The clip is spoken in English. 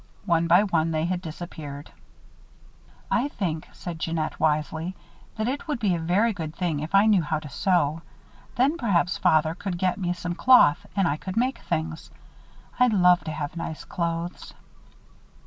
One by one, they had disappeared. "I think," said Jeannette, wisely, "that it would be a very good thing if I knew how to sew. Then, perhaps, father could get me some cloth and I could make things. I'd love to have nice clothes."